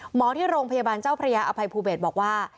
หมอที่โรงพยาบาลเจ้าพระยาอภัยภูเบศบอกว่า